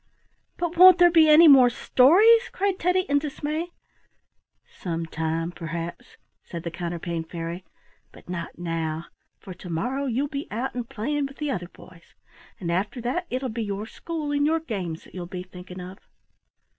"But won't there be any more stories?" cried Teddy, in dismay. "Sometime, perhaps," said the Counterpane Fairy, "but not now, for to morrow you'll be out and playing with the other boys, and after that it will be your school and your games that you'll be thinking of."